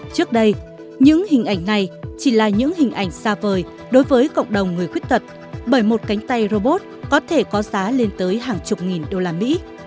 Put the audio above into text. trước đây những hình ảnh này chỉ là những hình ảnh xa vời đối với cộng đồng người khuyết tật bởi một cánh tay robot có thể có giá lên tới hàng chục nghìn đô la mỹ